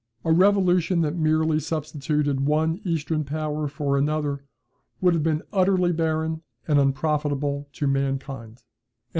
A revolution that merely substituted one Eastern power for another would have been utterly barren and unprofitable to mankind.